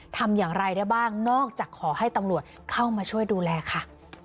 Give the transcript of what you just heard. ทำอย่างไรได้บ้างนอกจากขอให้ตำรวจเข้ามาช่วยดูแลค่ะ